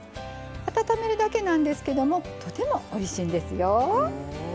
温めるだけなんですけどもとてもおいしいんですよ。